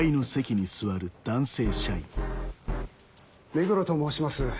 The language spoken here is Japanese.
目黒と申します。